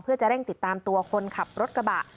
เพื่อจะเร่งติดตามตัวคนขับรถกระบะ